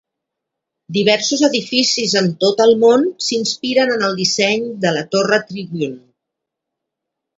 Diversos edificis en tot el món s'inspiren en el disseny de la torre Tribune.